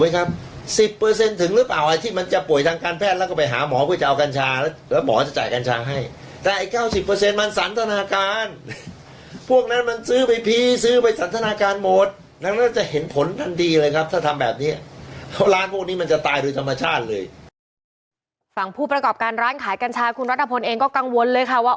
ฝั่งผู้ประกอบการร้านขายกัญชาคุณรัฐพลเองก็กังวลเลยค่ะว่า